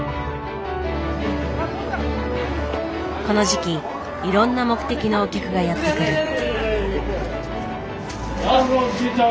この時期いろんな目的のお客がやって来る。